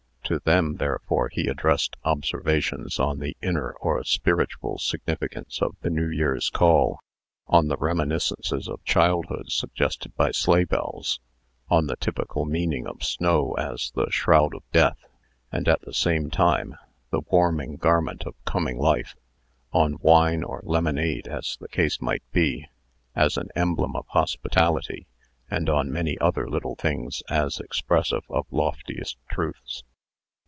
To them, therefore, he addressed observations on the inner or spiritual significance of the New Year's call; on the reminiscences of childhood suggested by sleigh bells; on the typical meaning of snow as the shroud of death, and, at the same time, the warming garment of coming life; on wine or lemonade (as the case might be), as an emblem of hospitality; and on many other little things as expressive of the loftiest truths.